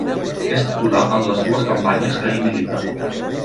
És titular en les dues campanyes que hi milita.